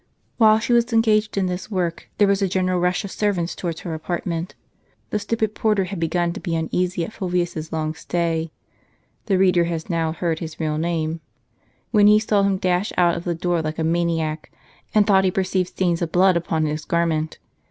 While she was engaged in this work, there was a general rush of servants towards her apartment. The stupid porter had begun to be uneasy at Ful vius's long stay (the reader has now heard his real name), when he saw him dash out of the door like a maniac, and thought he perceived stains of blood upon his garment.